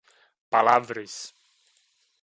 Palavras